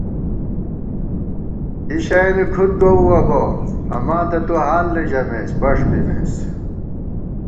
کِی شَیَنی کھُد گووُوَہ بہ، اماں تہ تُوحال نہ ژَمېس پݭ بِمېس